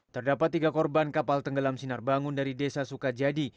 terdapat tiga korban kapal tenggelam sinar bangun dari desa sukajadi